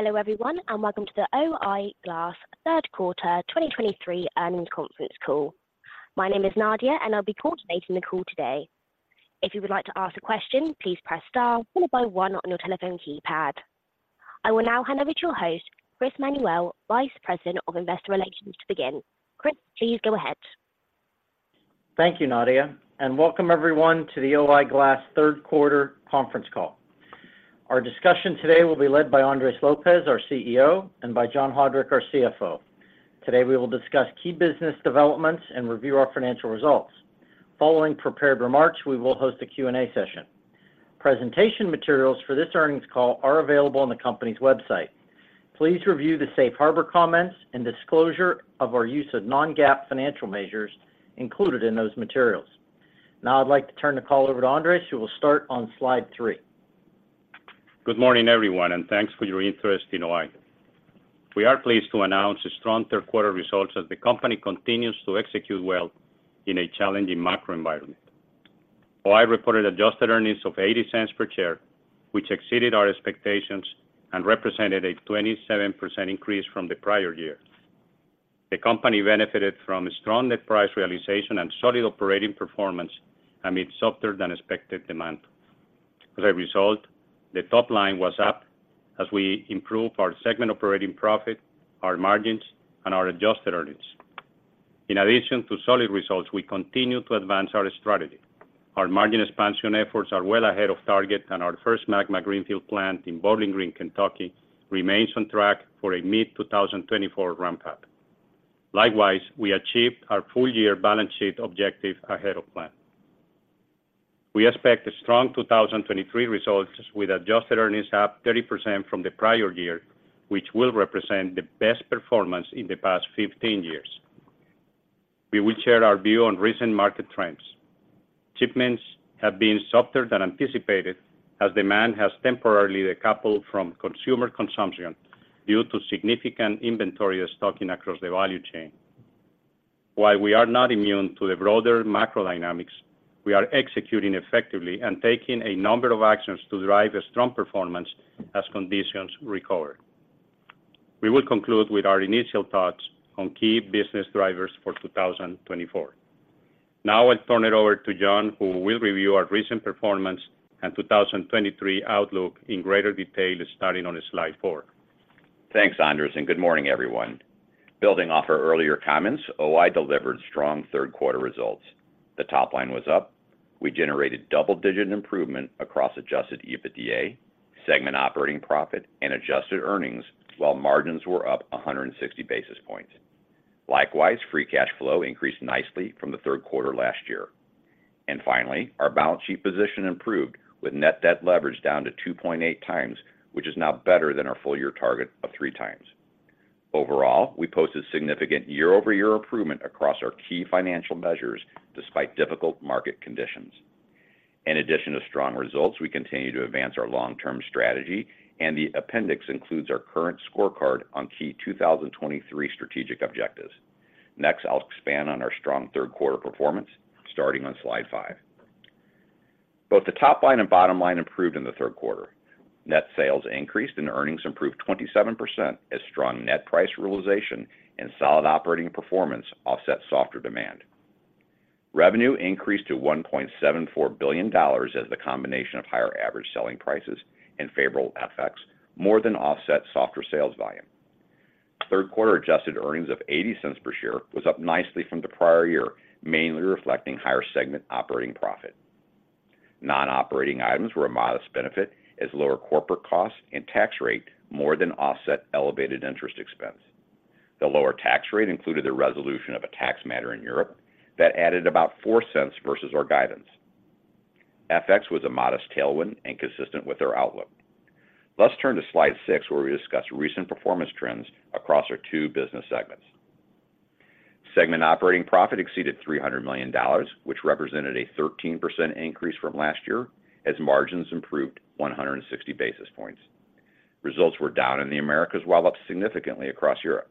Hello everyone, and welcome to the O-I Glass Third Quarter 2023 Earnings Conference Call. My name is Nadia, and I'll be coordinating the call today. If you would like to ask a question, please press star followed by one on your telephone keypad. I will now hand over to your host, Chris Manuel, Vice President of Investor Relations, to begin. Chris, please go ahead. Thank you, Nadia, and welcome everyone to the O-I Glass third quarter conference call. Our discussion today will be led by Andres Lopez, our CEO, and by John Haudrich, our CFO. Today, we will discuss key business developments and review our financial results. Following prepared remarks, we will host a Q&A session. Presentation materials for this earnings call are available on the company's website. Please review the safe harbor comments and disclosure of our use of non-GAAP financial measures included in those materials. Now I'd like to turn the call over to Andres, who will start on slide three. Good morning, everyone, and thanks for your interest in O-I. We are pleased to announce strong third quarter results as the company continues to execute well in a challenging macro environment. O-I reported adjusted earnings of $0.80 per share, which exceeded our expectations and represented a 27% increase from the prior year. The company benefited from strong net price realization and solid operating performance amid softer than expected demand. As a result, the top line was up as we improved our segment operating profit, our margins, and our adjusted earnings. In addition to solid results, we continue to advance our strategy. Our margin expansion efforts are well ahead of target, and our first MAGMA greenfield plant in Bowling Green, Kentucky, remains on track for a mid-2024 ramp-up. Likewise, we achieved our full-year balance sheet objective ahead of plan. We expect strong 2023 results, with adjusted earnings up 30% from the prior year, which will represent the best performance in the past 15 years. We will share our view on recent market trends. Shipments have been softer than anticipated as demand has temporarily decoupled from consumer consumption due to significant inventory stocking across the value chain. While we are not immune to the broader macro dynamics, we are executing effectively and taking a number of actions to drive a strong performance as conditions recover. We will conclude with our initial thoughts on key business drivers for 2024. Now I'll turn it over to John, who will review our recent performance and 2023 outlook in greater detail, starting on slide four. Thanks, Andres, and good morning, everyone. Building off our earlier comments, O-I delivered strong third quarter results. The top line was up. We generated double-digit improvement across Adjusted EBITDA, segment operating profit, and adjusted earnings, while margins were up 160 basis points. Likewise, free cash flow increased nicely from the third quarter last year. And finally, our balance sheet position improved, with net debt leverage down to 2.8x, which is now better than our full year target of 3x. Overall, we posted significant year-over-year improvement across our key financial measures, despite difficult market conditions. In addition to strong results, we continue to advance our long-term strategy, and the appendix includes our current scorecard on key 2023 strategic objectives. Next, I'll expand on our strong third quarter performance, starting on slide 5. Both the top line and bottom line improved in the third quarter. Net sales increased and earnings improved 27% as strong net price realization and solid operating performance offset softer demand. Revenue increased to $1.74 billion as the combination of higher average selling prices and favorable FX more than offset softer sales volume. Third quarter adjusted earnings of $0.80 per share was up nicely from the prior year, mainly reflecting higher segment operating profit. Non-operating items were a modest benefit as lower corporate costs and tax rate more than offset elevated interest expense. The lower tax rate included the resolution of a tax matter in Europe that added about $0.04 versus our guidance. FX was a modest tailwind and consistent with our outlook. Let's turn to slide 6, where we discuss recent performance trends across our two business segments. Segment operating profit exceeded $300 million, which represented a 13% increase from last year as margins improved 160 basis points. Results were down in the Americas, while up significantly across Europe.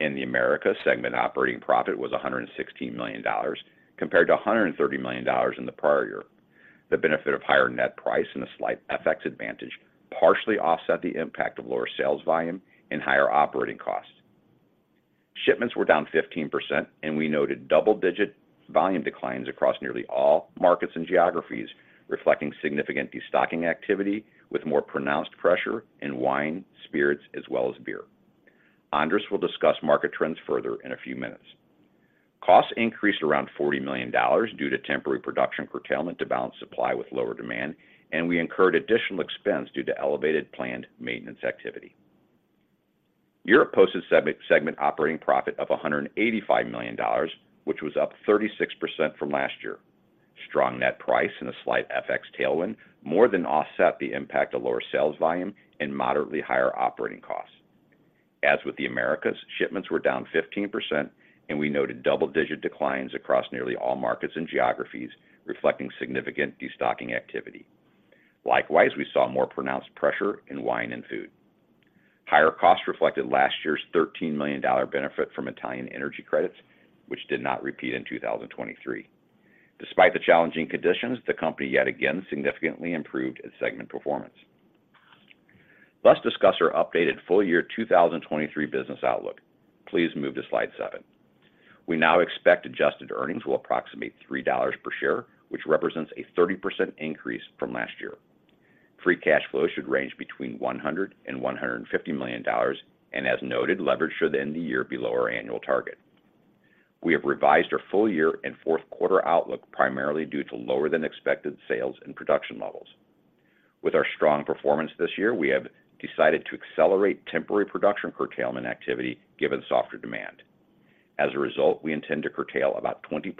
In the Americas, segment operating profit was $116 million, compared to $130 million in the prior year. The benefit of higher net price and a slight FX advantage partially offset the impact of lower sales volume and higher operating costs. Shipments were down 15%, and we noted double-digit volume declines across nearly all markets and geographies, reflecting significant destocking activity, with more pronounced pressure in wine, spirits, as well as beer. Andres will discuss market trends further in a few minutes. Costs increased around $40 million due to temporary production curtailment to balance supply with lower demand, and we incurred additional expense due to elevated planned maintenance activity. Europe posted segment operating profit of $185 million, which was up 36% from last year. Strong net price and a slight FX tailwind more than offset the impact of lower sales volume and moderately higher operating costs. As with the Americas, shipments were down 15%, and we noted double-digit declines across nearly all markets and geographies, reflecting significant destocking activity. Likewise, we saw more pronounced pressure in wine and food. Higher costs reflected last year's $13 million dollar benefit from Italian energy credits, which did not repeat in 2023. Despite the challenging conditions, the company yet again significantly improved its segment performance. Let's discuss our updated full year 2023 business outlook. Please move to slide 7. We now expect Adjusted earnings will approximate $3 per share, which represents a 30% increase from last year. Free cash flow should range between $100 million and $150 million, and as noted, leverage should end the year below our annual target. We have revised our full year and fourth quarter outlook, primarily due to lower than expected sales and production levels. With our strong performance this year, we have decided to accelerate temporary production curtailment activity, given softer demand. As a result, we intend to curtail about 20%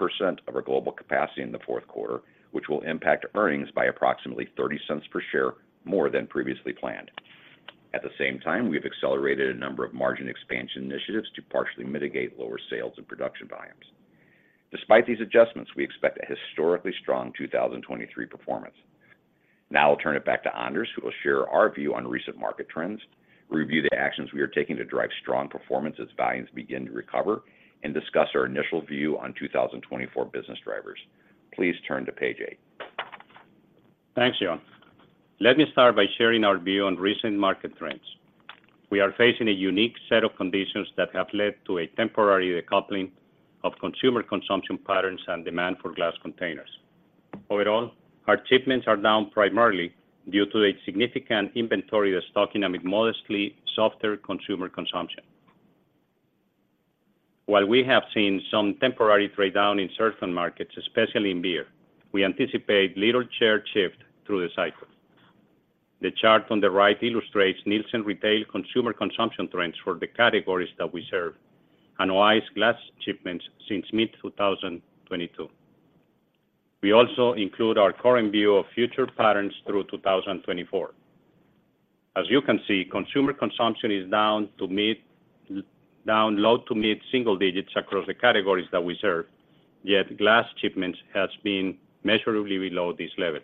of our global capacity in the fourth quarter, which will impact earnings by approximately $0.30 per share, more than previously planned. At the same time, we have accelerated a number of margin expansion initiatives to partially mitigate lower sales and production volumes. Despite these adjustments, we expect a historically strong 2023 performance. Now I'll turn it back to Andres, who will share our view on recent market trends, review the actions we are taking to drive strong performance as volumes begin to recover, and discuss our initial view on 2024 business drivers. Please turn to page eight. Thanks, John. Let me start by sharing our view on recent market trends. We are facing a unique set of conditions that have led to a temporary decoupling of consumer consumption patterns and demand for glass containers. Overall, our shipments are down primarily due to a significant inventory destocking, amid modestly softer consumer consumption. While we have seen some temporary trade down in certain markets, especially in beer, we anticipate little share shift through the cycle. The chart on the right illustrates Nielsen retail consumer consumption trends for the categories that we serve, and O-I's glass shipments since mid-2022. We also include our current view of future patterns through 2024. As you can see, consumer consumption is down low- to mid-single digits across the categories that we serve, yet glass shipments has been measurably below this level.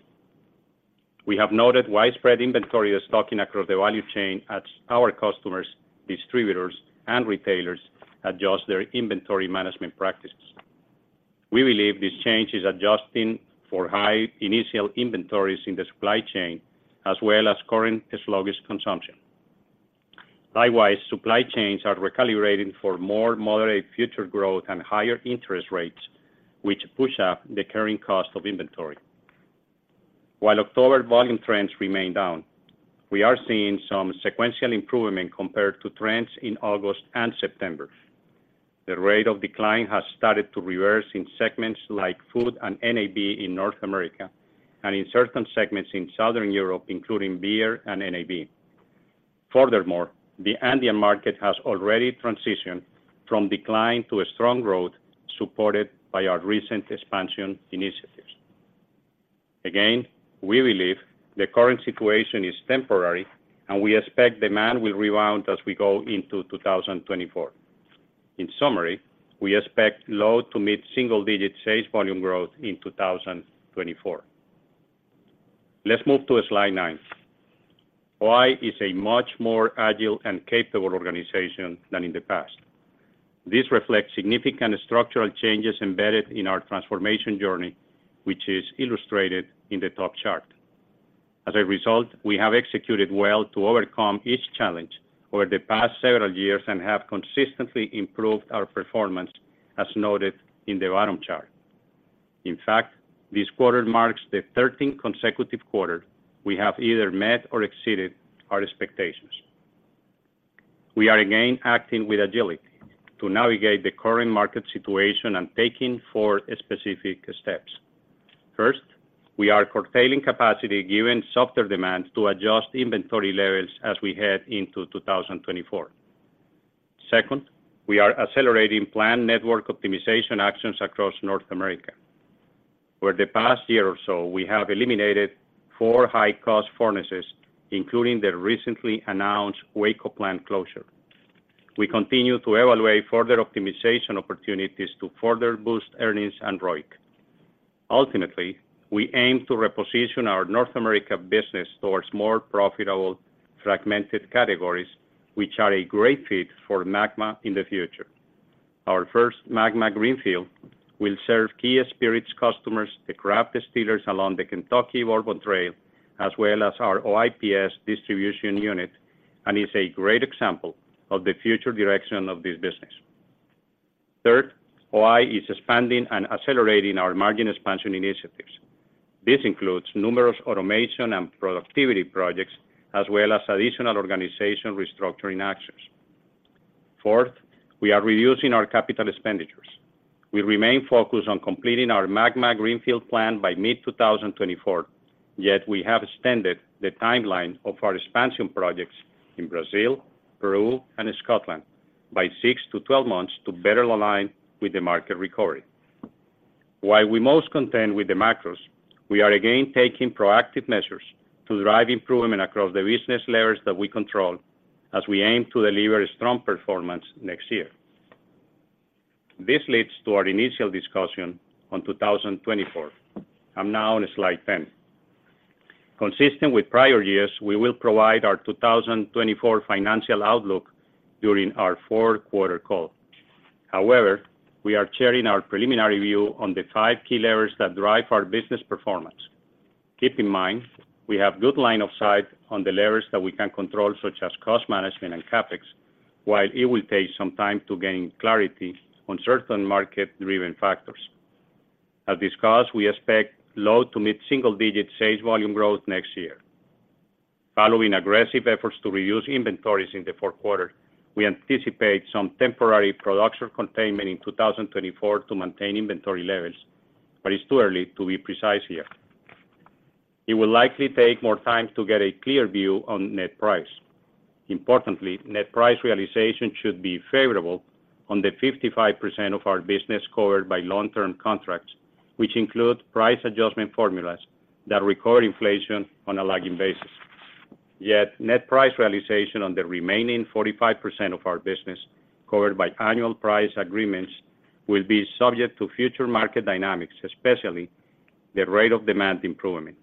We have noted widespread destocking across the value chain as our customers, distributors, and retailers adjust their inventory management practices. We believe this change is adjusting for high initial inventories in the supply chain, as well as current sluggish consumption. Likewise, supply chains are recalibrating for more moderate future growth and higher interest rates, which push up the carrying cost of inventory. While October volume trends remain down, we are seeing some sequential improvement compared to trends in August and September. The rate of decline has started to reverse in segments like food and NAB in North America, and in certain segments in Southern Europe, including beer and NAB. Furthermore, the Andean market has already transitioned from decline to a strong growth, supported by our recent expansion initiatives. Again, we believe the current situation is temporary, and we expect demand will rebound as we go into 2024. In summary, we expect low-to-mid single-digit sales volume growth in 2024. Let's move to slide 9. O-I is a much more agile and capable organization than in the past. This reflects significant structural changes embedded in our transformation journey, which is illustrated in the top chart. As a result, we have executed well to overcome each challenge over the past several years, and have consistently improved our performance, as noted in the bottom chart. In fact, this quarter marks the 13th consecutive quarter we have either met or exceeded our expectations. We are again acting with agility to navigate the current market situation and taking four specific steps. First, we are curtailing capacity given softer demands to adjust inventory levels as we head into 2024. Second, we are accelerating planned network optimization actions across North America. For the past year or so, we have eliminated four high-cost furnaces, including the recently announced Waco plant closure. We continue to evaluate further optimization opportunities to further boost earnings and ROIC. Ultimately, we aim to reposition our North America business towards more profitable, fragmented categories, which are a great fit for MAGMA in the future. Our first MAGMA greenfield will serve key spirits customers, the craft distillers along the Kentucky Bourbon Trail, as well as our O-IPS distribution unit, and is a great example of the future direction of this business. Third, O-I is expanding and accelerating our margin expansion initiatives. This includes numerous automation and productivity projects, as well as additional organization restructuring actions. Fourth, we are reducing our capital expenditures. We remain focused on completing our MAGMA greenfield plan by mid-2024, yet we have extended the timeline of our expansion projects in Brazil, Peru, and Scotland by 6-12 months to better align with the market recovery. While we're most concerned with the macros, we are again taking proactive measures to drive improvement across the business layers that we control, as we aim to deliver a strong performance next year. This leads to our initial discussion on 2024, and now on slide 10. Consistent with prior years, we will provide our 2024 financial outlook during our fourth-quarter call. However, we are sharing our preliminary view on the five key levers that drive our business performance. Keep in mind, we have good line of sight on the levers that we can control, such as cost management and CapEx, while it will take some time to gain clarity on certain market-driven factors. As discussed, we expect low- to mid-single-digit sales volume growth next year. Following aggressive efforts to reduce inventories in the fourth quarter, we anticipate some temporary production containment in 2024 to maintain inventory levels, but it's too early to be precise here. It will likely take more time to get a clear view on net price. Importantly, net price realization should be favorable on the 55% of our business covered by long-term contracts, which include price adjustment formulas that record inflation on a lagging basis. Yet, Net Price Realization on the remaining 45% of our business, covered by annual price agreements, will be subject to future market dynamics, especially the rate of demand improvement.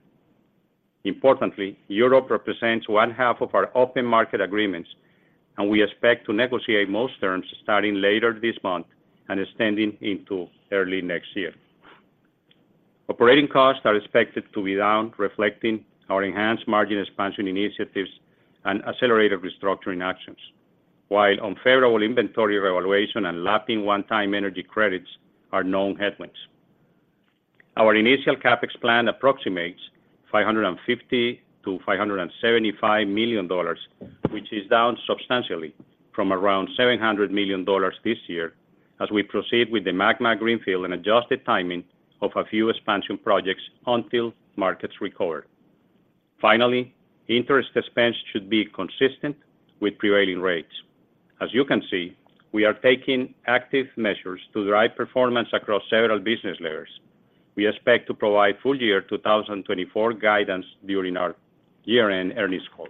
Importantly, Europe represents 1/2 of our open market agreements, and we expect to negotiate most terms starting later this month and extending into early next year. Operating costs are expected to be down, reflecting our enhanced margin expansion initiatives and accelerated restructuring actions. While unfavorable inventory revaluation and lapping one-time energy credits are known headwinds. Our initial CapEx plan approximates $550 million-$575 million, which is down substantially from around $700 million this year as we proceed with the MAGMA greenfield and adjusted timing of a few expansion projects until markets recover. Finally, interest expense should be consistent with prevailing rates. As you can see, we are taking active measures to drive performance across several business layers. We expect to provide full year 2024 guidance during our year-end earnings call.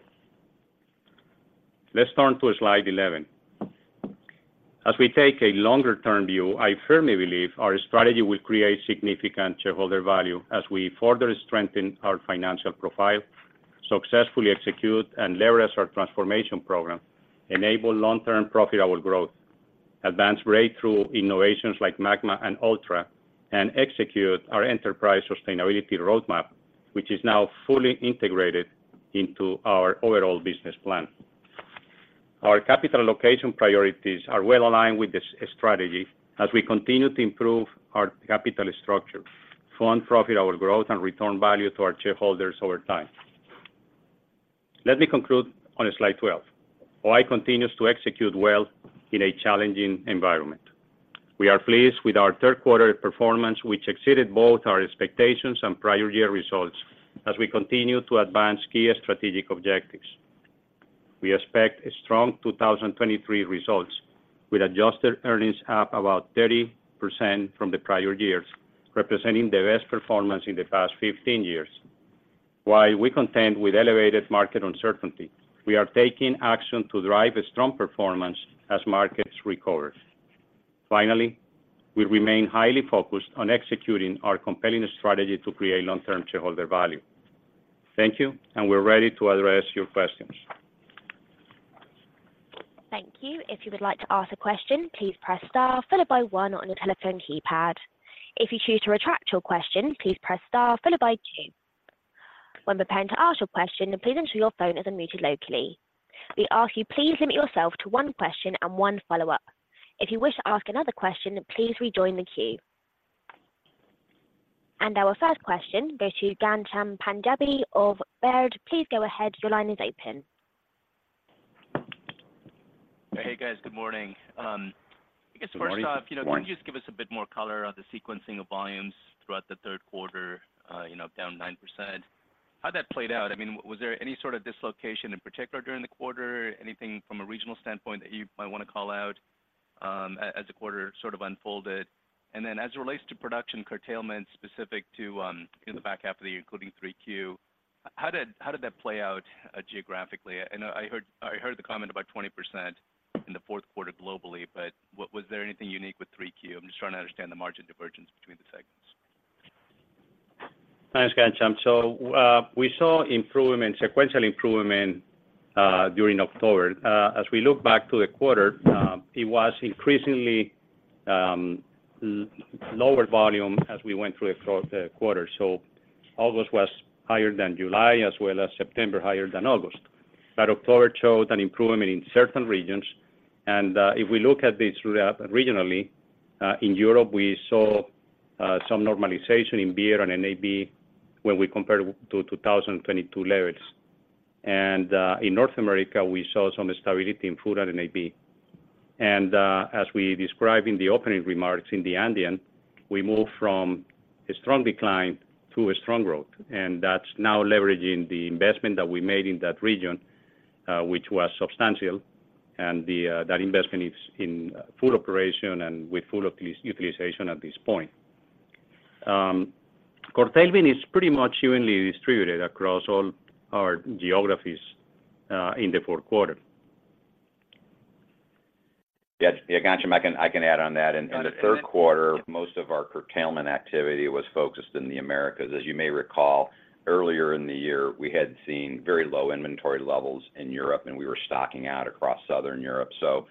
Let's turn to slide 11. As we take a longer-term view, I firmly believe our strategy will create significant shareholder value as we further strengthen our financial profile, successfully execute and leverage our transformation program, enable long-term profitable growth, advance breakthrough innovations like MAGMA and ULTRA, and execute our enterprise sustainability roadmap, which is now fully integrated into our overall business plan. Our capital allocation priorities are well aligned with this strategy as we continue to improve our capital structure, fund profitable growth, and return value to our shareholders over time. Let me conclude on slide 12. O-I continues to execute well in a challenging environment. We are pleased with our third quarter performance, which exceeded both our expectations and prior year results as we continue to advance key strategic objectives. We expect strong 2023 results, with adjusted earnings up about 30% from the prior years, representing the best performance in the past 15 years. While we contend with elevated market uncertainty, we are taking action to drive a strong performance as markets recover. Finally, we remain highly focused on executing our compelling strategy to create long-term shareholder value. Thank you, and we're ready to address your questions. Thank you. If you would like to ask a question, please press star followed by one on your telephone keypad. If you choose to retract your question, please press star followed by two. When preparing to ask your question, please ensure your phone is unmuted locally. We ask you please limit yourself to one question and one follow-up. If you wish to ask another question, please rejoin the queue. Our first question goes to Ghansham Panjabi of Baird. Please go ahead. Your line is open. Hey, guys. Good morning. I guess first off. Good morning. Can you just give us a bit more color on the sequencing of volumes throughout the third quarter? You know, down 9%. How'd that played out? I mean, was there any sort of dislocation in particular during the quarter? Anything from a regional standpoint that you might want to call out, as, as the quarter sort of unfolded? And then as it relates to production curtailment, specific to, in the back half of the year, including 3Q, how did, how did that play out, geographically? And I heard, I heard the comment about 20% in the fourth quarter globally, but was there anything unique with 3Q? I'm just trying to understand the margin divergence between the segments. Thanks, Ghansham. So, we saw improvement, sequential improvement, during October. As we look back to the quarter, it was increasingly lower volume as we went through the quarter. So August was higher than July, as well as September higher than August. But October showed an improvement in certain regions, and if we look at this regionally, in Europe, we saw some normalization in beer and NAB when we compare to 2022 levels. And in North America, we saw some stability in food and NAB. And as we described in the opening remarks, in the Andean, we moved from a strong decline to a strong growth, and that's now leveraging the investment that we made in that region, which was substantial. And that investment is in full operation and with full utilization at this point. Curtailment is pretty much evenly distributed across all our geographies in the fourth quarter. Yeah, yeah, Ghansham, I can, I can add on that. In the third quarter, most of our curtailment activity was focused in the Americas. As you may recall, earlier in the year, we had seen very low inventory levels in Europe, and we were stocking out across Southern Europe. So,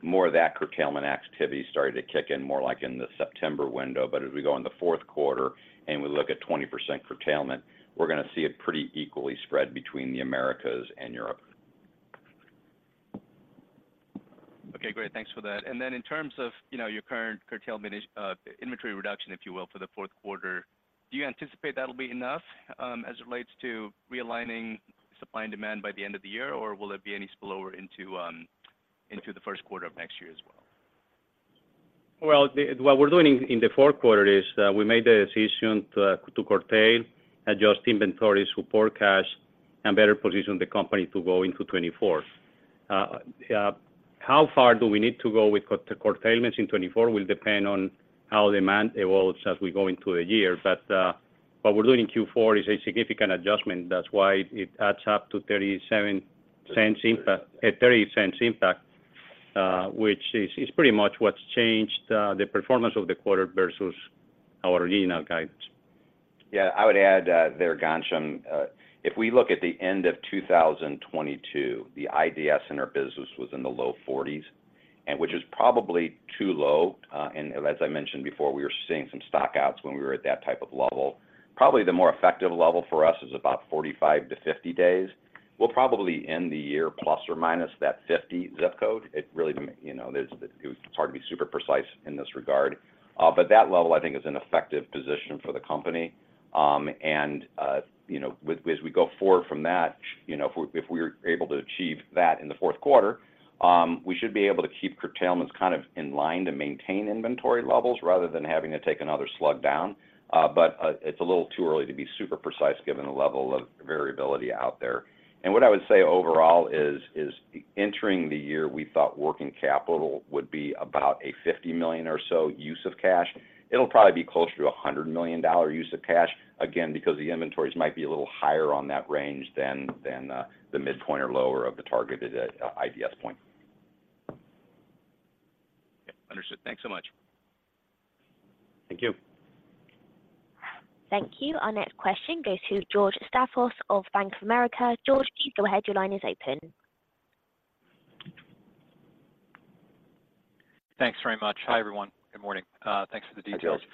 more of that curtailment activity started to kick in more like in the September window. But as we go in the fourth quarter and we look at 20% curtailment, we're going to see it pretty equally spread between the Americas and Europe. Okay, great. Thanks for that. And then in terms of, you know, your current curtailment, inventory reduction, if you will, for the fourth quarter, do you anticipate that'll be enough, as it relates to realigning supply and demand by the end of the year? Or will it be any slower into, into the first quarter of next year as well? Well, what we're doing in the fourth quarter is, we made a decision to curtail, adjust inventories to forecast and better position the company to go into 2024. Yeah, how far do we need to go with the curtailments in 2024 will depend on how demand evolves as we go into a year. But what we're doing in Q4 is a significant adjustment. That's why it adds up to $0.37 impact, $0.30 impact, which is pretty much what's changed the performance of the quarter versus our leading guidance. Yeah, I would add, there, Ghansham, if we look at the end of 2022, the IDS in our business was in the low 40s, and which is probably too low. And as I mentioned before, we were seeing some stockouts when we were at that type of level. Probably the more effective level for us is about 45-50 days. We'll probably end the year plus or minus that 50 zip code. It really, you know, there's—it's hard to be super precise in this regard, but that level, I think, is an effective position for the company. And you know, as we go forward from that, you know, if we're able to achieve that in the fourth quarter, we should be able to keep curtailments kind of in line to maintain inventory levels, rather than having to take another slug down. But it's a little too early to be super precise, given the level of variability out there. And what I would say overall is entering the year, we thought working capital would be about a $50 million or so use of cash. It'll probably be closer to a $100 million use of cash, again, because the inventories might be a little higher on that range than the midpoint or lower of the targeted IDS point. Understood. Thanks so much. Thank you. Thank you. Our next question goes to George Staphos of Bank of America. George, please go ahead. Your line is open. Thanks very much. Hi, everyone. Good morning. Thanks for the details. Good morning.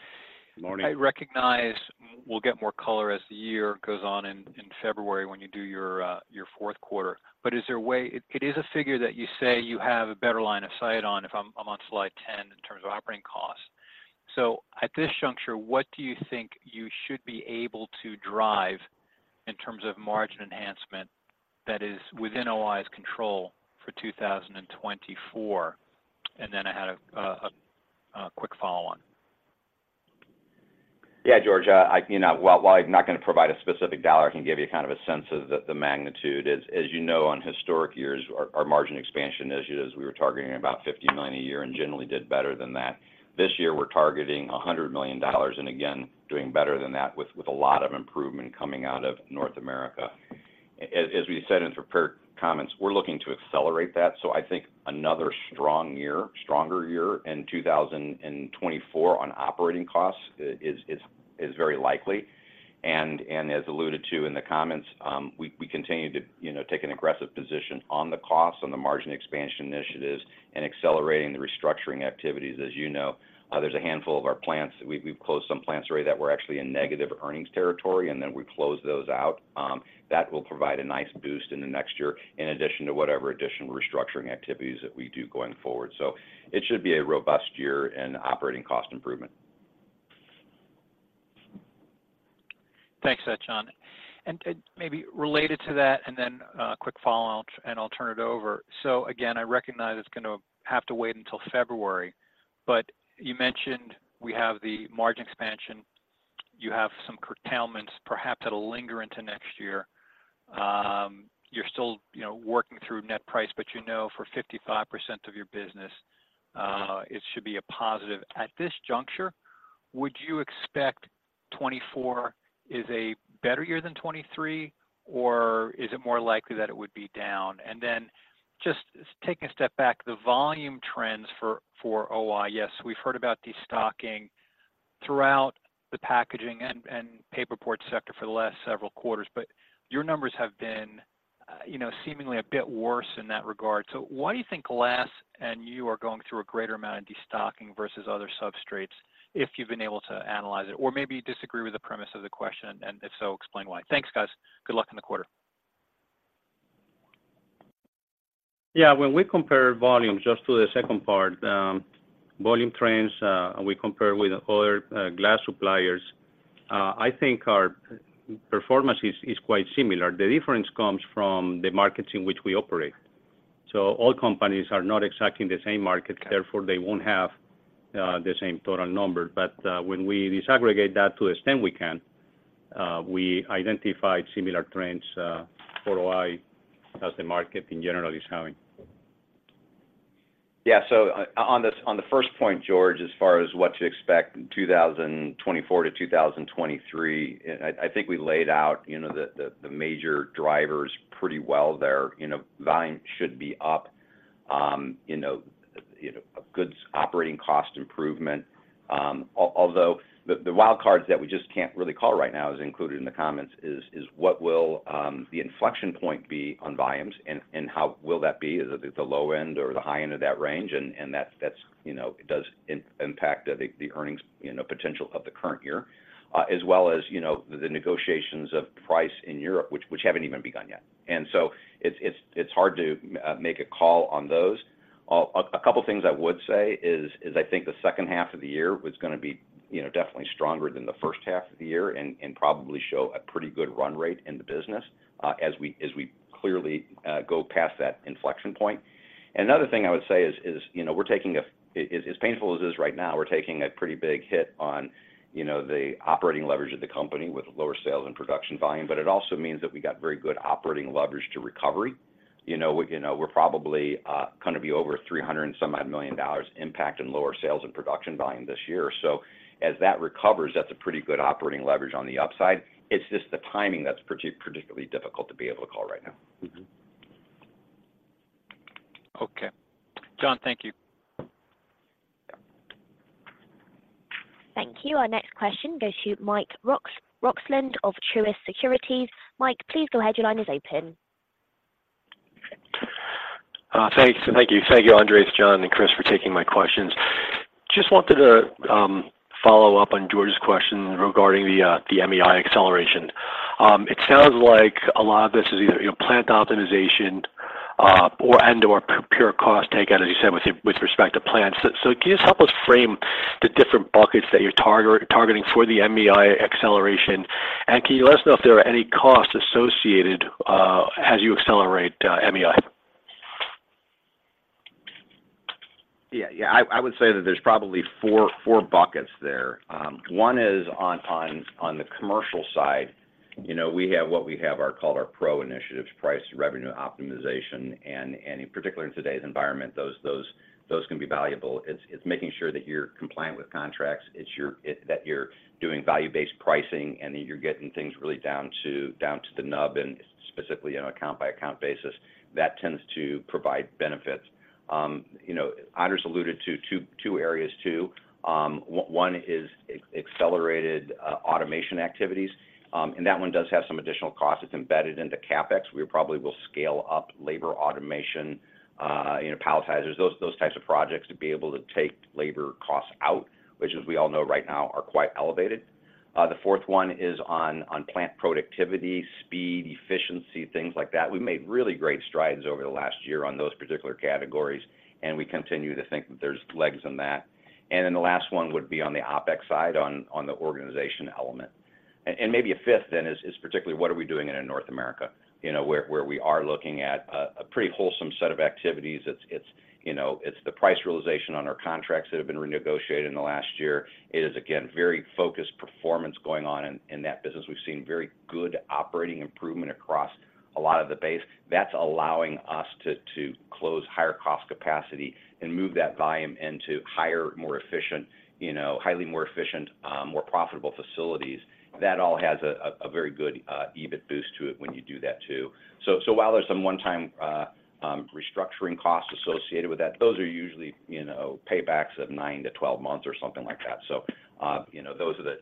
I recognize we'll get more color as the year goes on in February when you do your fourth quarter. But is there a way. It is a figure that you say you have a better line of sight on, if I'm on slide 10 in terms of operating costs. So at this juncture, what do you think you should be able to drive in terms of margin enhancement that is within O-I's control for 2024? And then I had a quick follow on. Yeah, George, you know, while I'm not going to provide a specific dollar, I can give you kind of a sense of the magnitude. As you know, on historic years, our margin expansion initiatives, we were targeting about $50 million a year and generally did better than that. This year, we're targeting $100 million, and again, doing better than that with a lot of improvement coming out of North America. As we said in the prepared comments, we're looking to accelerate that. So I think another strong year, stronger year in 2024 on operating costs is very likely. And as alluded to in the comments, we continue to, you know, take an aggressive position on the costs, on the margin expansion initiatives, and accelerating the restructuring activities. As you know, there's a handful of our plants. We've closed some plants already that were actually in negative earnings territory, and then we closed those out. That will provide a nice boost in the next year, in addition to whatever additional restructuring activities that we do going forward. So it should be a robust year in operating cost improvement. Thanks for that, John. And maybe related to that, then a quick follow-up, and I'll turn it over. So again, I recognize it's going to have to wait until February, but you mentioned we have the margin expansion. You have some curtailments, perhaps that'll linger into next year. You're still, you know, working through net price, but you know, for 55% of your business, it should be a positive. At this juncture, would you expect 2024 is a better year than 2023, or is it more likely that it would be down? And then just taking a step back, the volume trends for O-I, yes, we've heard about destocking throughout the packaging and paperboard sector for the last several quarters, but your numbers have been, you know, seemingly a bit worse in that regard. So why do you think glass and you are going through a greater amount of destocking versus other substrates, if you've been able to analyze it? Or maybe you disagree with the premise of the question, and, if so, explain why. Thanks, guys. Good luck in the quarter. Yeah, when we compare volumes, just to the second part, volume trends, we compare with other glass suppliers. I think our performance is quite similar. The difference comes from the markets in which we operate. So all companies are not exactly in the same market, therefore, they won't have the same total number. But when we disaggregate that to the extent we can, we identified similar trends for O-I, as the market in general is having. Yeah. So on the first point, George, as far as what to expect in 2024 to 2023, I think we laid out, you know, the major drivers pretty well there. You know, volume should be up. You know, a good operating cost improvement. Although the wild cards that we just can't really call right now is included in the comments is what will the inflection point be on volumes and how will that be? Is it at the low end or the high end of that range? And that's, you know, it does impact the earnings, you know, potential of the current year. As well as, you know, the negotiations of price in Europe, which haven't even begun yet. It's hard to make a call on those. A couple things I would say is I think the second half of the year is gonna be, you know, definitely stronger than the first half of the year, and probably show a pretty good run rate in the business, as we clearly go past that inflection point. Another thing I would say is, you know, as painful as it is right now, we're taking a pretty big hit on, you know, the operating leverage of the company with lower sales and production volume, but it also means that we got very good operating leverage to recovery. You know, we, you know, we're probably gonna be over $300 million and some odd impact in lower sales and production volume this year. So as that recovers, that's a pretty good operating leverage on the upside. It's just the timing that's particularly difficult to be able to call right now. Okay. John, thank you. Thank you. Our next question goes to Mike Roxland of Truist Securities. Mike, please go ahead. Your line is open. Thanks. Thank you. Thank you, Andres, John, and Chris, for taking my questions. Just wanted to follow up on George's question regarding the the MEI acceleration. It sounds like a lot of this is either, you know, plant optimization, or and/or pure cost takeout, as you said, with respect to plants. So can you just help us frame the different buckets that you're targeting for the MEI acceleration? And can you let us know if there are any costs associated as you accelerate MEI? Yeah. Yeah, I would say that there's probably four buckets there. One is on the commercial side. You know, we have what we have are called our PRO initiatives, price revenue optimization, and in particular, in today's environment, those can be valuable. It's making sure that you're compliant with contracts, it's that you're doing value-based pricing, and that you're getting things really down to the nub, and specifically on an account-by-account basis. That tends to provide benefits. You know, Andres alluded to two areas, too. One is accelerated automation activities, and that one does have some additional costs. It's embedded into CapEx. We probably will scale up labor automation, you know, palletizers, those, those types of projects, to be able to take labor costs out, which, as we all know, right now, are quite elevated. The fourth one is on plant productivity, speed, efficiency, things like that. We've made really great strides over the last year on those particular categories, and we continue to think that there's legs on that. And then the last one would be on the OpEx side, on the organization element. And maybe a fifth then is particularly what are we doing in North America, you know, where we are looking at a pretty wholesome set of activities. It's, you know, it's the price realization on our contracts that have been renegotiated in the last year. It is, again, very focused performance going on in that business. We've seen very good operating improvement across a lot of the base. That's allowing us to close higher-cost capacity and move that volume into higher, more efficient, you know, highly more efficient, more profitable facilities. That all has a very good EBIT boost to it when you do that, too. So, while there's some one-time restructuring costs associated with that, those are usually, you know, paybacks of 9-12 months or something like that. So, you know, those are the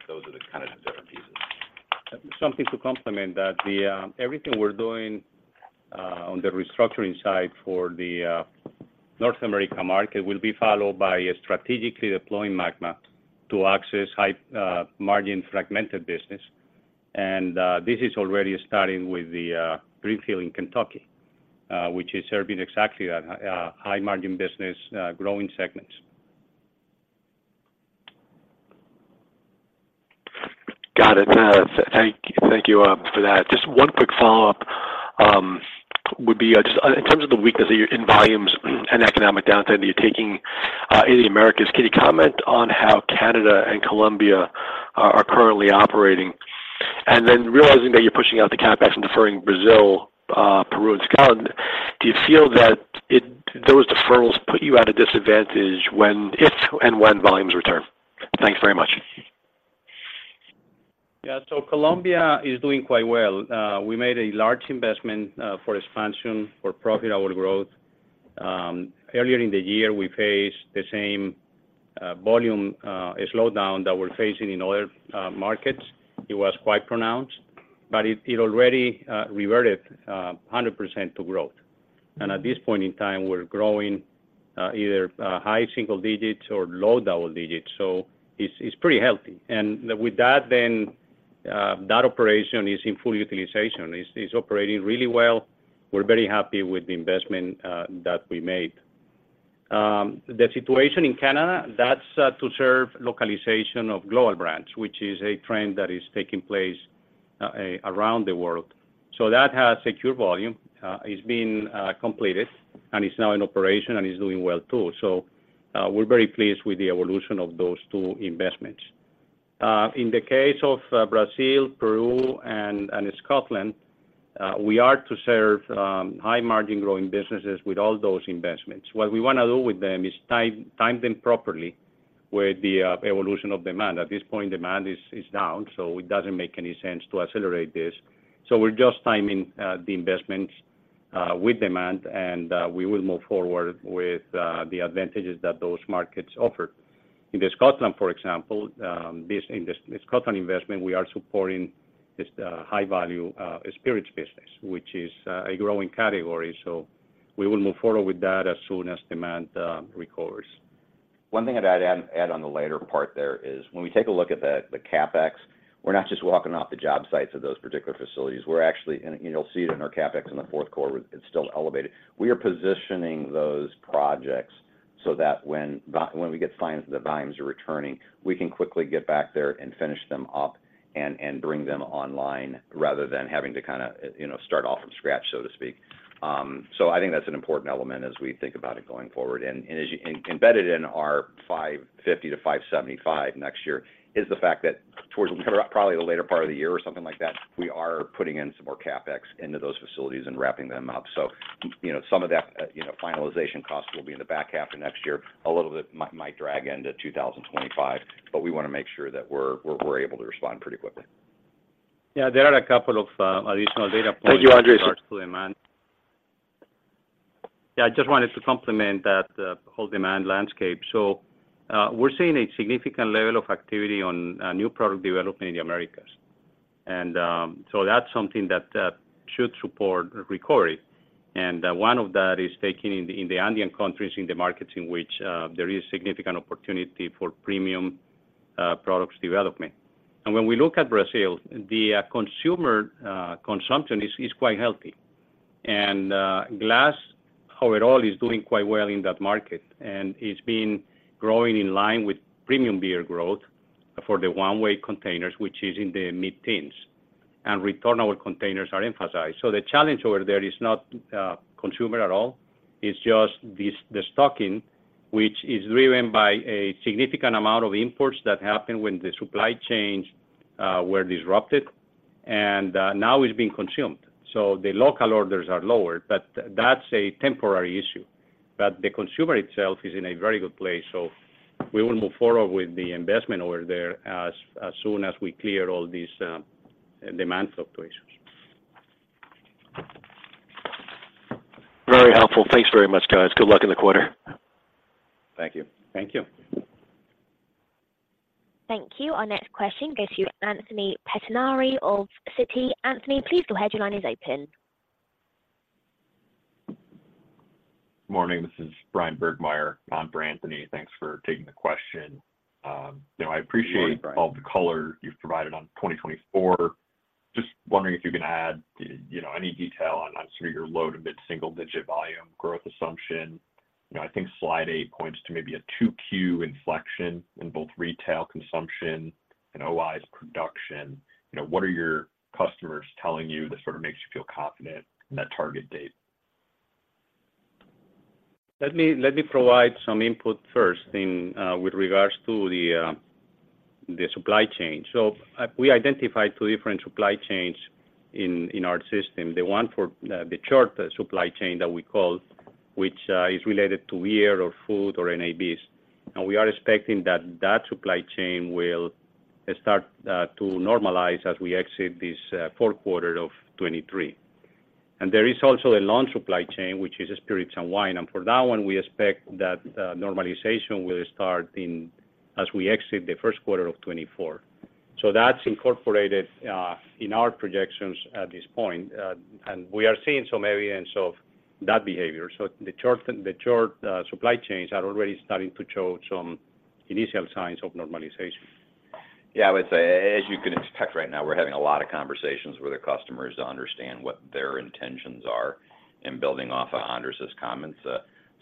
kind of the different pieces. Something to complement that. Everything we're doing on the restructuring side for the North America market will be followed by strategically deploying MAGMA to access high-margin fragmented business. And this is already starting with the greenfield in Kentucky, which is serving exactly that high-margin business, growing segments. Got it. Thank you for that. Just one quick follow-up, would be just in terms of the weakness in volumes and economic downturn that you're taking in the Americas, can you comment on how Canada and Colombia are currently operating? And then realizing that you're pushing out the CapEx and deferring Brazil, Peru, and Scotland, do you feel that those deferrals put you at a disadvantage when, if and when, volumes return? Thanks very much. Yeah. So Colombia is doing quite well. We made a large investment for expansion, for per-hour growth. Earlier in the year, we faced the same volume slowdown that we're facing in other markets. It was quite pronounced, but it already reverted 100% to growth. And at this point in time, we're growing either high single digits or low double digits, so it's pretty healthy. And with that, then that operation is in full utilization. It's operating really well. We're very happy with the investment that we made. The situation in Canada, that's to serve localization of global brands, which is a trend that is taking place around the world. So that has secured volume, it's been completed and is now in operation and is doing well, too. So, we're very pleased with the evolution of those two investments. In the case of Brazil, Peru, and Scotland, we are to serve high margin growing businesses with all those investments. What we wanna do with them is time them properly with the evolution of demand. At this point, demand is down, so it doesn't make any sense to accelerate this. So we're just timing the investments with demand, and we will move forward with the advantages that those markets offer. In Scotland, for example, this in the Scotland investment, we are supporting this high-value spirits business, which is a growing category. So we will move forward with that as soon as demand recovers. One thing I'd add on the latter part there is, when we take a look at the CapEx, we're not just walking off the job sites of those particular facilities. We're actually, and you'll see it in our CapEx in the fourth quarter, it's still elevated. We are positioning those projects so that when we get signs that the volumes are returning, we can quickly get back there and finish them up and bring them online, rather than having to kinda, you know, start off from scratch, so to speak. So I think that's an important element as we think about it going forward. embedded in our $550 million-$575 million next year, is the fact that towards probably the later part of the year or something like that, we are putting in some more CapEx into those facilities and wrapping them up. So, you know, some of that, you know, finalization costs will be in the back half of next year. A little bit might drag into 2025, but we wanna make sure that we're able to respond pretty quickly. Yeah, there are a couple of additional data points. Thank you, Andres. As regards to demand. Yeah, I just wanted to complement that whole demand landscape. So, we're seeing a significant level of activity on new product development in the Americas. And so that's something that should support recovery. And one of that is taking in the Andean countries, in the markets in which there is significant opportunity for premium products development. And when we look at Brazil, the consumer consumption is quite healthy. And glass, however, is doing quite well in that market, and it's been growing in line with premium beer growth for the one-way containers, which is in the mid-teens, and returnable containers are emphasized. So the challenge over there is not consumer at all, it's just the stocking, which is driven by a significant amount of imports that happened when the supply chains were disrupted, and now is being consumed. So the local orders are lower, but that's a temporary issue. But the consumer itself is in a very good place, so we will move forward with the investment over there as soon as we clear all these demand fluctuations. Very helpful. Thanks very much, guys. Good luck in the quarter. Thank you. Thank you. Thank you. Our next question goes to Anthony Pettinari of Citi. Anthony, please go ahead. Your line is open. Morning, this is Bryan Burgmeier on for Anthony. Thanks for taking the question. You know, I appreciate- Good morning, Bryan. -all the color you've provided on 2024. Just wondering if you can add, you know, any detail on sort of your low- to mid-single-digit volume growth assumption. You know, I think slide eight points to maybe a 2Q inflection in both retail consumption and O-I's production. You know, what are your customers telling you that sort of makes you feel confident in that target date? Let me provide some input first, with regards to the supply chain. So, we identified two different supply chains in our system. The one for the short supply chain that we call, which is related to beer or food or NABs. And we are expecting that that supply chain will start to normalize as we exit this fourth quarter of 2023. And there is also a long supply chain, which is spirits and wine, and for that one, we expect that normalization will start in as we exit the first quarter of 2024. So that's incorporated in our projections at this point, and we are seeing some evidence of that behavior. So the short supply chains are already starting to show some initial signs of normalization. Yeah, I would say, as you can expect right now, we're having a lot of conversations with our customers to understand what their intentions are. In building off of Andres's comments,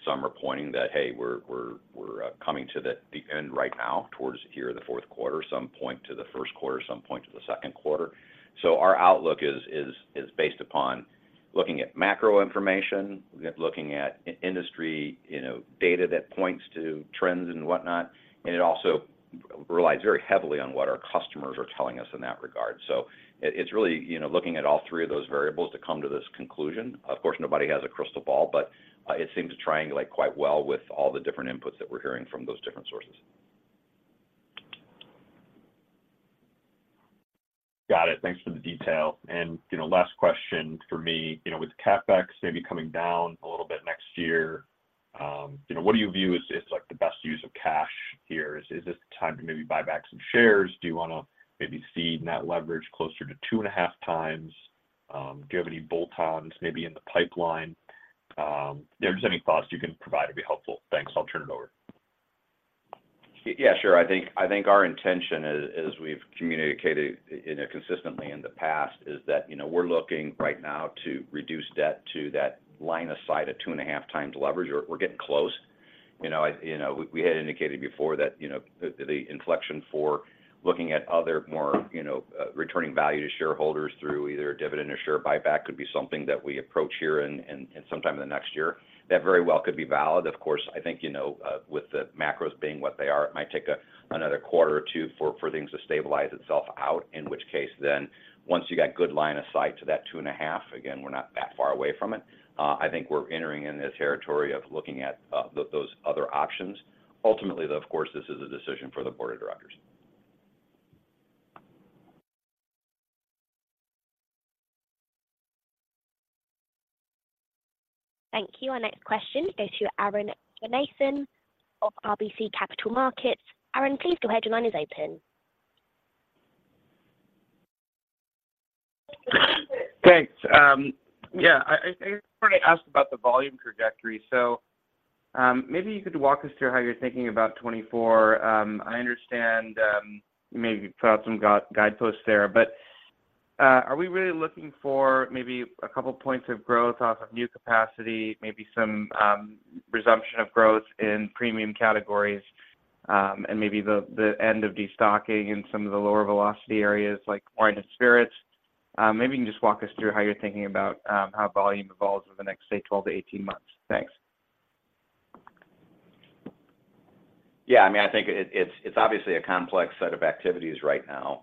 some are pointing that, "Hey, we're coming to the end right now, towards here, the fourth quarter." Some point to the first quarter, some point to the second quarter. So our outlook is based upon looking at macro information, looking at in-industry, you know, data that points to trends and whatnot, and it also relies very heavily on what our customers are telling us in that regard. So it, it's really, you know, looking at all three of those variables to come to this conclusion. Of course, nobody has a crystal ball, but it seems to triangulate quite well with all the different inputs that we're hearing from those different sources. Got it. Thanks for the detail. You know, last question for me, you know, with CapEx maybe coming down a little bit next year, you know, what do you view as, like, the best use of cash here? Is this the time to maybe buy back some shares? Do you wanna maybe see net leverage closer to 2.5x? Do you have any bolt-ons maybe in the pipeline? Just any thoughts you can provide would be helpful. Thanks. I'll turn it over. Yeah, sure. I think our intention, as we've communicated consistently in the past, is that, you know, we're looking right now to reduce debt to that line of sight at 2.5x leverage. We're getting close. You know, I, you know, we had indicated before that, you know, the inflection for looking at other more, you know, returning value to shareholders through either a dividend or share buyback could be something that we approach here sometime in the next year. That very well could be valid. Of course, I think, you know, with the macros being what they are, it might take a another quarter or two for things to stabilize itself out, in which case then once you got good line of sight to that 2.5x, again, we're not that far away from it, I think we're entering into the territory of looking at those other options. Ultimately, though, of course, this is a decision for the board of directors. Thank you. Our next question goes to Arun Viswanathan of RBC Capital Markets. Aaron, please go ahead. Your line is open. Thanks. Yeah, I wanted to ask about the volume trajectory. So, maybe you could walk us through how you're thinking about 2024. I understand, you maybe put out some guideposts there, but, are we really looking for maybe a couple points of growth off of new capacity, maybe some resumption of growth in premium categories, and maybe the end of destocking in some of the lower velocity areas, like wine and spirits? Maybe you can just walk us through how you're thinking about how volume evolves over the next, say, 12 to 18 months. Thanks. Yeah, I mean, I think it's obviously a complex set of activities right now.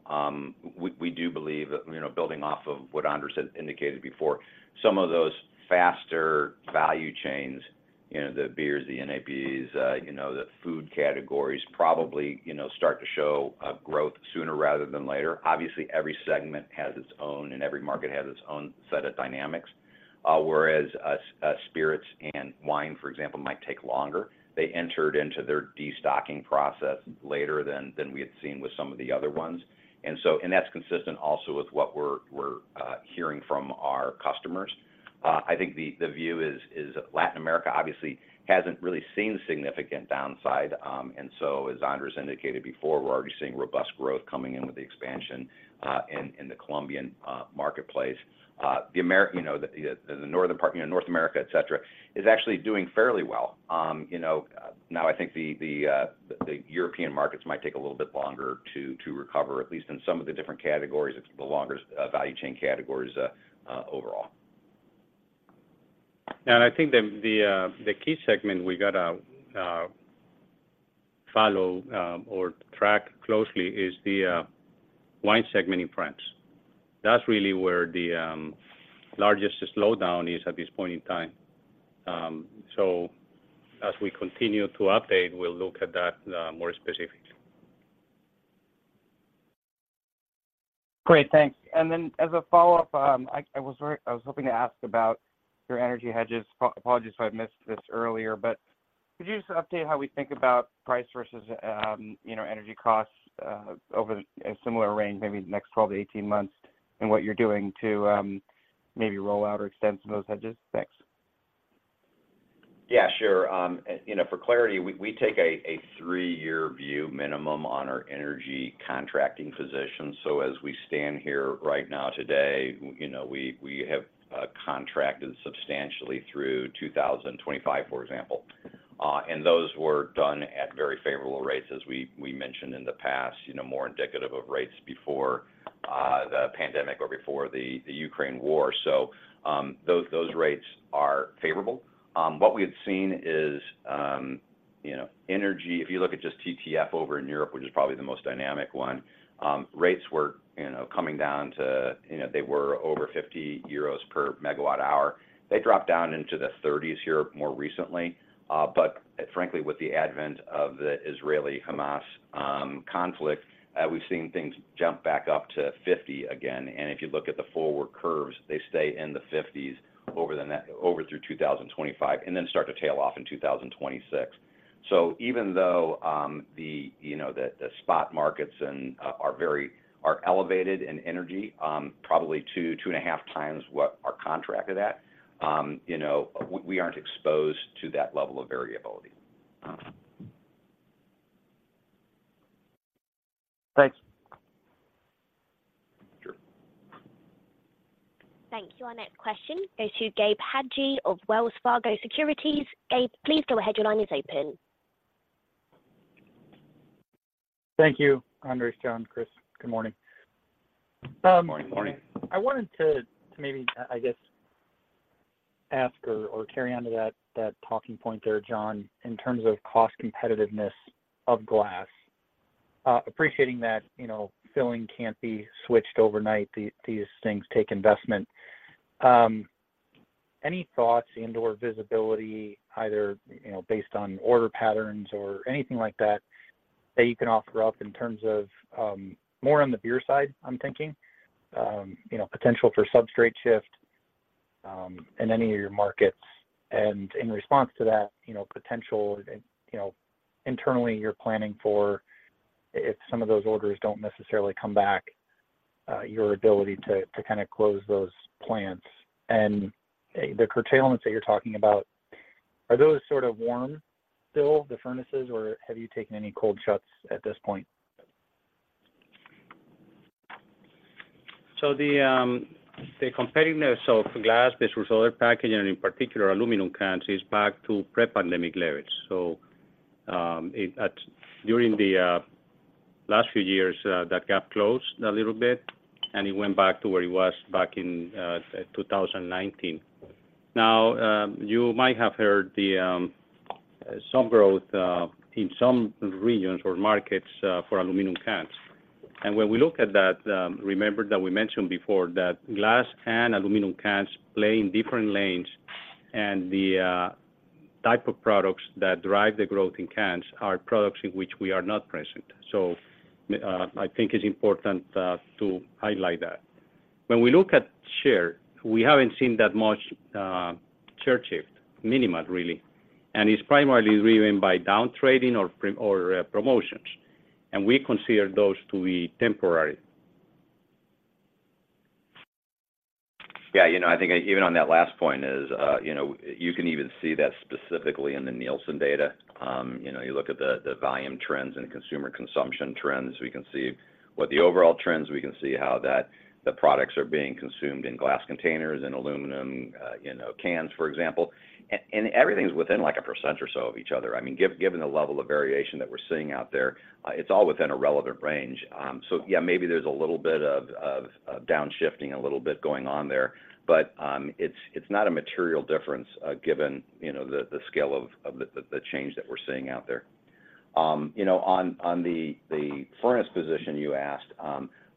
We do believe, you know, building off of what Andres had indicated before, some of those faster value chains, you know, the beers, the NABs, you know, the food categories, probably, you know, start to show growth sooner rather than later. Obviously, every segment has its own, and every market has its own set of dynamics. Whereas, spirits and wine, for example, might take longer. They entered into their destocking process later than we had seen with some of the other ones. And so. And that's consistent also with what we're hearing from our customers. I think the view is Latin America obviously hasn't really seen significant downside, and so, as Andres indicated before, we're already seeing robust growth coming in with the expansion in the Colombian marketplace. You know, the northern part, you know, North America, et cetera, is actually doing fairly well. You know, now I think the European markets might take a little bit longer to recover, at least in some of the different categories, the longer value chain categories, overall. And I think the key segment we got to follow or track closely is the wine segment in France. That's really where the largest slowdown is at this point in time. So as we continue to update, we'll look at that more specifically. Great, thanks. And then, as a follow-up, I was hoping to ask about your energy hedges. Apologies if I missed this earlier, but could you just update how we think about price versus, you know, energy costs, over a similar range, maybe the next 12-18 months, and what you're doing to, maybe roll out or extend some of those hedges? Thanks. Yeah, sure. And, you know, for clarity, we take a three-year view minimum on our energy contracting positions. So as we stand here right now, today, you know, we have contracted substantially through 2025, for example. And those were done at very favorable rates, as we mentioned in the past, you know, more indicative of rates before the pandemic or before the Ukraine war. So, those rates are favorable. What we had seen is, you know, energy, if you look at just TTF over in Europe, which is probably the most dynamic one, rates were coming down to, you know, they were over 50 euros per megawatt hour. They dropped down into the 30s here more recently, but frankly, with the advent of the Israeli-Hamas conflict, we've seen things jump back up to 50 again. And if you look at the forward curves, they stay in the 50s over through 2025 and then start to tail off in 2026. So even though, you know, the spot markets and are elevated in energy, probably 2x, 2.5x what are contracted at, you know, we, we aren't exposed to that level of variability. Thanks. Sure. Thank you. Our next question goes to Gabe Hajde of Wells Fargo Securities. Gabe, please go ahead. Your line is open. Thank you, Andres, John, Chris, good morning. Good morning. Morning. I wanted to maybe, I guess, ask or carry on to that talking point there, John, in terms of cost competitiveness of glass. Appreciating that, you know, filling can't be switched overnight, these things take investment. Any thoughts into our visibility, either, you know, based on order patterns or anything like that, that you can offer up in terms of more on the beer side, I'm thinking? You know, potential for substrate shift in any of your markets, and in response to that, you know, potential internally you're planning for if some of those orders don't necessarily come back, your ability to kind of close those plants. And the curtailments that you're talking about, are those sort of warm idles, the furnaces, or have you taken any cold shuts at this point? So the competitiveness of glass versus other packaging, and in particular, aluminum cans, is back to pre-pandemic levels. During the last few years, that gap closed a little bit, and it went back to where it was back in 2019. Now, you might have heard some growth in some regions or markets for aluminum cans. And when we look at that, remember that we mentioned before that glass can, aluminum cans play in different lanes, and the type of products that drive the growth in cans are products in which we are not present. So I think it's important to highlight that. When we look at share, we haven't seen that much share shift, minimal really, and it's primarily driven by down trading or promotions, and we consider those to be temporary. Yeah, you know, I think even on that last point is, you know, you can even see that specifically in the Nielsen data. You know, you look at the volume trends and consumer consumption trends, we can see what the overall trends, we can see how the products are being consumed in glass containers and aluminum, you know, cans, for example. And everything's within like a percent or so of each other. I mean, given the level of variation that we're seeing out there, it's all within a relevant range. So yeah, maybe there's a little bit of downshifting a little bit going on there, but it's not a material difference, given, you know, the scale of the change that we're seeing out there. You know, on the furnace position you asked,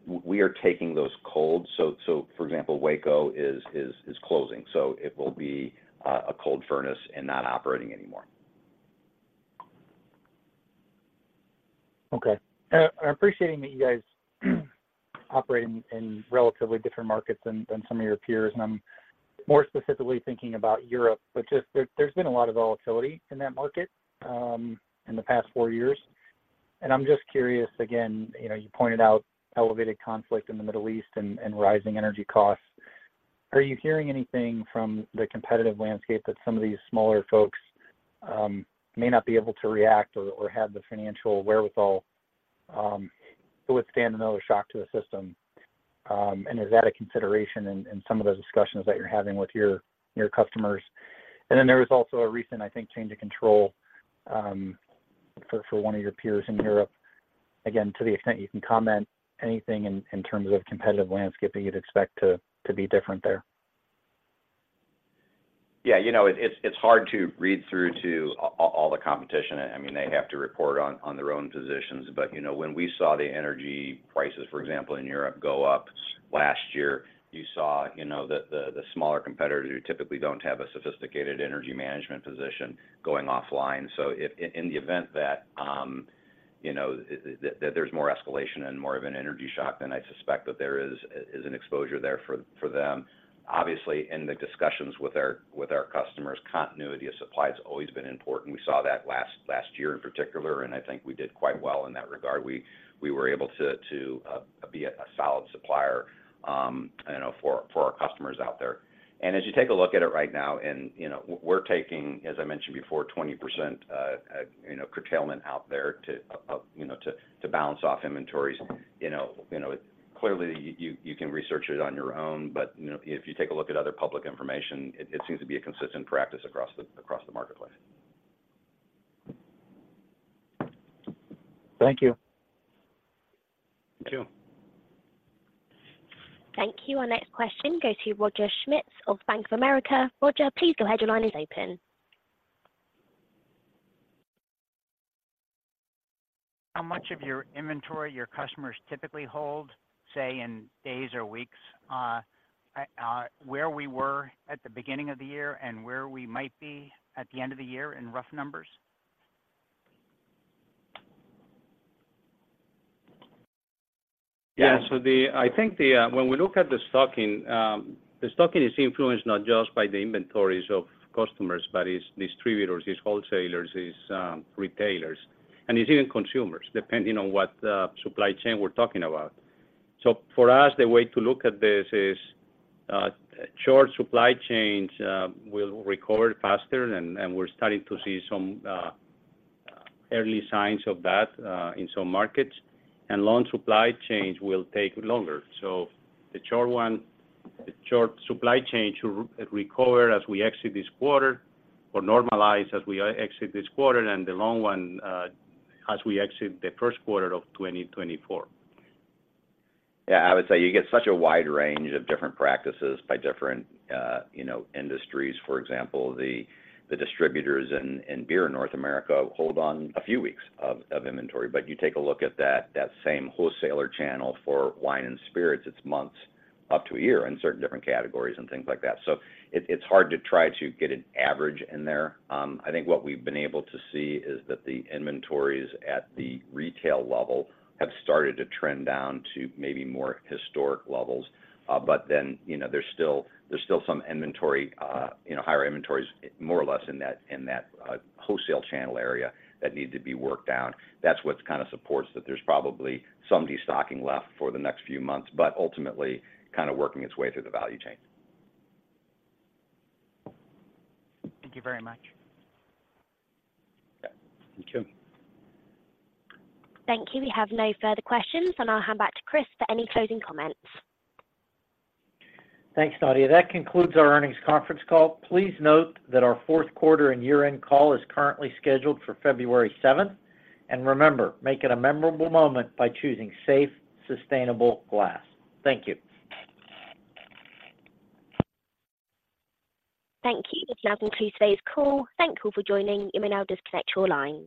we are taking those cold. So, for example, Waco is closing, so it will be a cold furnace and not operating anymore. Okay. I'm appreciating that you guys operating in relatively different markets than, than some of your peers, and I'm more specifically thinking about Europe. But just there, there's been a lot of volatility in that market, in the past four years. And I'm just curious, again, you know, you pointed out elevated conflict in the Middle East and, and rising energy costs. Are you hearing anything from the competitive landscape that some of these smaller folks, may not be able to react or, or have the financial wherewithal, to withstand another shock to the system? And is that a consideration in, in some of the discussions that you're having with your, your customers? And then there was also a recent, I think, change of control, for, for one of your peers in Europe. Again, to the extent you can comment anything in terms of competitive landscape that you'd expect to be different there. Yeah, you know, it's hard to read through all the competition. I mean, they have to report on their own positions. But, you know, when we saw the energy prices, for example, in Europe, go up last year, you saw, you know, the smaller competitors who typically don't have a sophisticated energy management position going offline. So if in the event that, you know, that there's more escalation and more of an energy shock, then I suspect that there is an exposure there for them. Obviously, in the discussions with our customers, continuity of supply has always been important. We saw that last year in particular, and I think we did quite well in that regard. We were able to be a solid supplier, you know, for our customers out there. And as you take a look at it right now, you know, we're taking, as I mentioned before, 20% curtailment out there to balance off inventories. You know, clearly, you can research it on your own, but, you know, if you take a look at other public information, it seems to be a consistent practice across the marketplace. Thank you. Thank you. Thank you. Our next question goes to Roger Schmitz of Bank of America. Roger, please go ahead. Your line is open. How much of your inventory your customers typically hold, say, in days or weeks, where we were at the beginning of the year and where we might be at the end of the year in rough numbers? Yeah. So I think when we look at the destocking, the destocking is influenced not just by the inventories of customers, but it's distributors, it's wholesalers, it's retailers, and it's even consumers, depending on what supply chain we're talking about. So, for us, the way to look at this is short supply chains will recover faster, and we're starting to see some early signs of that in some markets, and long supply chains will take longer. So, the short one, the short supply chain to recover as we exit this quarter or normalize as we exit this quarter, and the long one as we exit the first quarter of 2024. Yeah, I would say you get such a wide range of different practices by different, you know, industries. For example, the distributors in beer in North America hold on a few weeks of inventory. But you take a look at that same wholesaler channel for wine and spirits, it's months up to a year in certain different categories and things like that. So, it's hard to try to get an average in there. I think what we've been able to see is that the inventories at the retail level have started to trend down to maybe more historic levels. But then, you know, there's still some inventory, you know, higher inventories, more or less in that wholesale channel area that need to be worked out. That's what's kinda supports that there's probably some destocking left for the next few months, but ultimately, kinda working its way through the value chain. Thank you very much. Yeah. Thank you. Thank you. We have no further questions, and I'll hand back to Chris for any closing comments. Thanks, Nadia. That concludes our earnings conference call. Please note that our fourth quarter and year-end call is currently scheduled for February 7th. Remember, make it a memorable moment by choosing safe, sustainable glass. Thank you. Thank you. This now concludes today's call. Thank you for joining. You may now disconnect your lines.